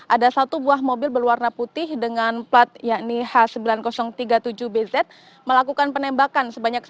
ada satu buah mobil berwarna putih dengan plat h sembilan ribu tiga puluh tujuh bz melakukan penembakan